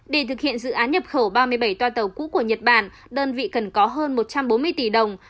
để thực hiện dự án nhập khẩu ba mươi bảy toa tàu cũ của nhật bản đơn vị cần có hơn một trăm bốn mươi tỷ đồng